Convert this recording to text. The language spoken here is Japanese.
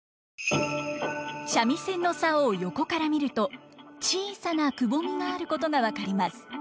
三味線の棹を横から見ると小さなくぼみがあることが分かります。